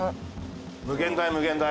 無限大無限大。